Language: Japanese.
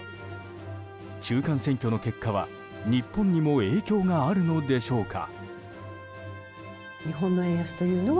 中間選挙の結果は日本にも影響があるのでしょうか。